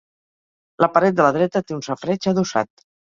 La paret de la dreta té un safareig adossat.